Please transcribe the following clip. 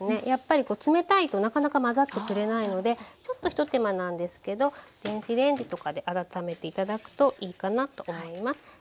やっぱりこう冷たいとなかなか混ざってくれないのでちょっと一手間なんですけど電子レンジとかで温めて頂くといいかなと思います。